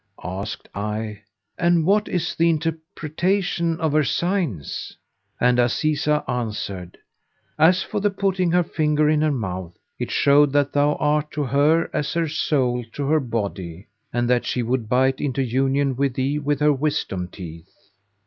Asked I, "And what is the interpretation of her signs?"; and Azizah answered, "As for the putting her finger in her mouth,[FN#488] it showed that thou art to her as her soul to her body and that she would bite into union with thee with her wisdom teeth.